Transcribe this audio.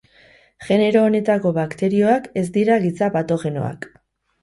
Genero honetako bakterioak ez dira giza-patogenoak.